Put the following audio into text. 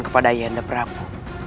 kepada ayah anda prabu